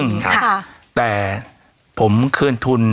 องสหรับ